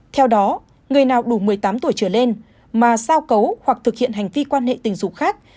theo đó người nào đủ một mươi tám tuổi trở lên mà sao cấu hoặc thực hiện hành vi quan hệ tình dục khác